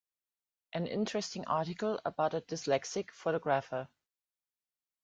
An interesting article about a dyslexic photographer.